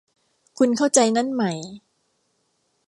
คุณเข้าใจนั่นไหม